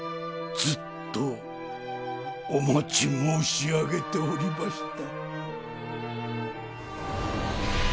ずっとお待ち申し上げておりました。